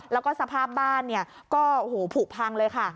แล้วก็สภาพบ้านก็ผูกพังเลยค่ะ